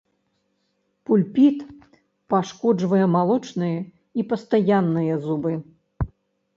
Пульпіт пашкоджвае малочныя і пастаянныя зубы.